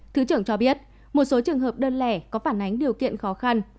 thứ trưởng cho biết một số trường hợp đơn lẻ có phản ánh điều kiện khó khăn